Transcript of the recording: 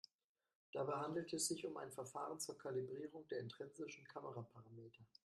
Dabei handelt es sich um ein Verfahren zur Kalibrierung der intrinsischen Kameraparameter.